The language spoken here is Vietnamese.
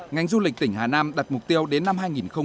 ngành du lịch tỉnh hà nam đặt mục tiêu đến năm hai nghìn ba mươi